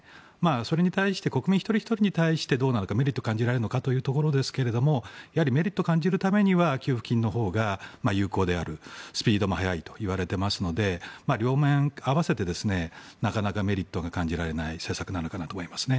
それに対して国民一人ひとりに対してメリットが感じられるのかというところですがメリットを感じるためには給付金のほうが有効であるスピードもあるといわれていますので両面、合わせてなかなかメリットが感じられない政策なのかなと思いますね。